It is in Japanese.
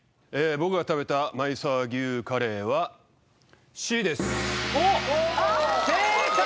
僕が食べた前沢牛カレーはＣです